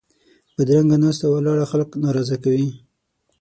بدرنګه ناسته ولاړه خلک ناراضه کوي